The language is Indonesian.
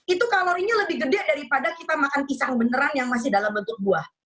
itu kalorinya lebih gede daripada kita makan pisang beneran yang masih dalam bentuk buah